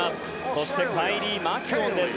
そしてカイリー・マキュオンです。